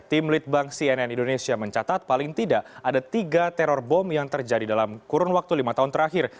tim litbang cnn indonesia mencatat paling tidak ada tiga teror bom yang terjadi dalam kurun waktu lima tahun terakhir